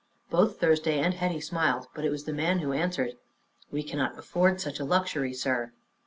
Both Thursday and Hetty smiled, but it was the man who answered; "We cannot afford such a luxury, sir."